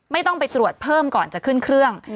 ไม่ต้องไปตรวจเพิ่มก่อนจะขึ้นเครื่อง